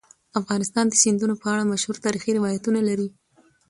افغانستان د سیندونه په اړه مشهور تاریخی روایتونه لري.